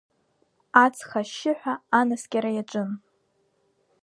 Аҵх ашьшьыҳәа анаскьара иаҿын.